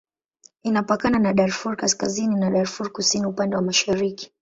Inapakana na Darfur Kaskazini na Darfur Kusini upande wa mashariki.